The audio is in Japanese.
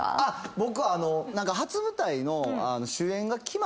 僕。